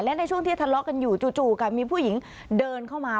และในช่วงที่ทะเลาะกันอยู่จู่ค่ะมีผู้หญิงเดินเข้ามา